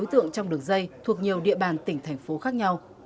tượng trong đường dây thuộc nhiều địa bàn tỉnh thành phố khác nhau